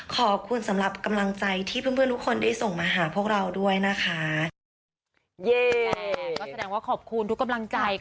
ขอบคุณสำหรับกำลังใจที่เพื่อนทุกคนได้ส่งมาหาพวกเราด้วยนะคะ